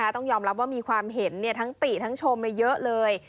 ต้องยอมรับว่ามีความเห็นทั้งติทั้งชมเยอะเลย